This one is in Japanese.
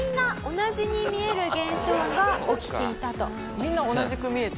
みんな同じく見えて。